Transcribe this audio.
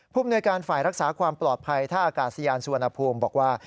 มนวยการฝ่ายรักษาความปลอดภัยท่าอากาศยานสุวรรณภูมิบอกว่า